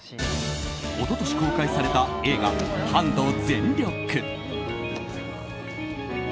一昨年公開された映画「＃ハンド全力」。